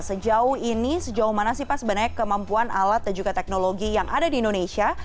sejauh ini sejauh mana sih pak sebenarnya kemampuan alat dan juga teknologi yang ada di indonesia